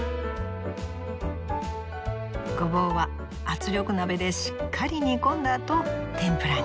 ごぼうは圧力鍋でしっかり煮込んだあと天ぷらに。